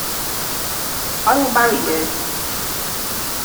I will marry you!